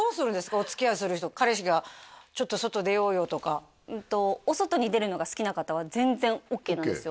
おつきあいする人彼氏がちょっと外出ようよとかうんとお外に出るのが好きな方は全然オーケーなんですよ